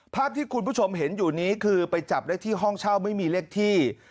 ภาพที่คุณผู้ชมเห็นอยู่นี้คือไปจับได้ที่ห้องเช่าไม่มีเลขที่